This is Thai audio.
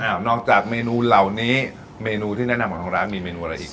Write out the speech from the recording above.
นอกจากเมนูเหล่านี้เมนูที่แนะนำของทางร้านมีเมนูอะไรอีก